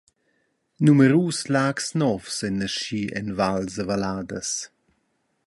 Numerus lags novs ein naschi en vals e valladas.